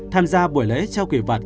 tham gia buổi lễ trao kỳ vật